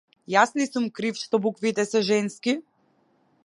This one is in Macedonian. Јас ли сум крив што буквите се женски?